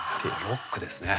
ロックですね。